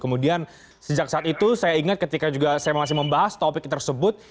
kemudian sejak saat itu saya ingat ketika juga saya masih membahas topik tersebut